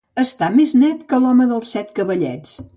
Estar més net que l'home dels cavallets.